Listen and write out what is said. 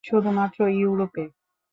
শুধুমাত্র ইউরোপে।